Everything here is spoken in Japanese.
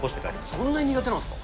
そんなに苦手なんですか。